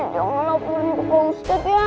janganlah pulangin ke pongset ya